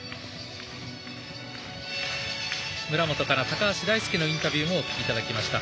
村元哉中、高橋大輔のインタビューをお聞きいただきました。